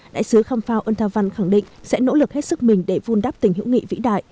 đại sứ khâm phao ơn unta văn khẳng định sẽ nỗ lực hết sức mình để vun đắp tình hữu nghị vĩ đại